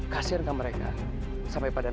dengar ya kalian